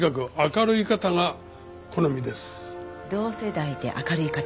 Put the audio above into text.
同世代で明るい方。